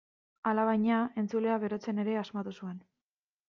Alabaina, entzuleak berotzen ere asmatu zuen.